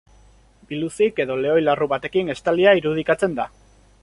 Biluzik edo lehoi larru batekin estalia irudikatzen da.